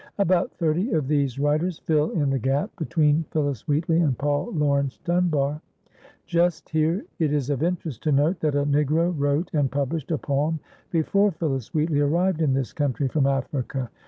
About thirty of these writers fill in the gap between Phillis Wheatley and Paul Laurence Dunbar. Just here it is of interest to note that a Negro wrote and published a poem before Phillis Wheatley arrived in this country from Africa.